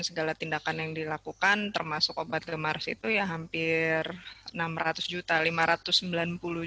segala tindakan yang dilakukan termasuk obat gemar itu ya hampir enam ratus juta